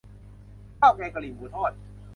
ข้าวแกงกะหรี่หมูทอด